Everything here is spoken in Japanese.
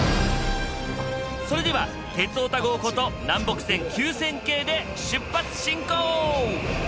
それでは「鉄オタ号」こと南北線９０００系で出発進行！